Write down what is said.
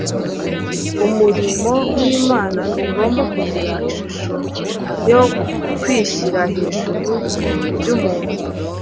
Umurimo w’Imana ntugomba kugira ishusho no kwishyira hejuru by’umuntu.